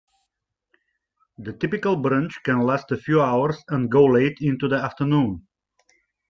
The typical brunch can last a few hours and go late into the afternoon.